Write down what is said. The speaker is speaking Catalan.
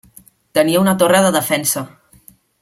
Tenia una torre de defensa.